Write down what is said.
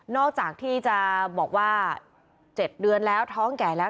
จากที่จะบอกว่า๗เดือนแล้วท้องแก่แล้ว